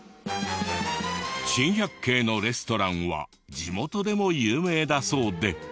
珍百景のレストランは地元でも有名だそうで。